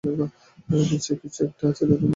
নিশ্চয়ই কিছু-একটা আছে, যা তুমি আমাকে বলতে চাচ্ছি না।